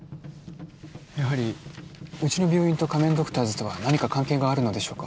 やはりうちの病院と仮面ドクターズとは何か関係があるのでしょうか？